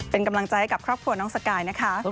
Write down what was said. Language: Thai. เป็นกำลังใจให้กับครอบครัวน้องสกายนะคะ